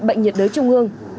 bệnh nhiệt đới trung ương